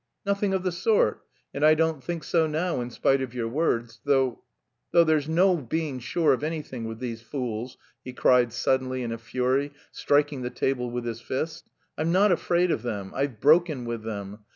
"Nothing of the sort. And I don't think so now, in spite of your words, though... though there's no being sure of anything with these fools!" he cried suddenly in a fury, striking the table with his fist. "I'm not afraid of them! I've broken with them.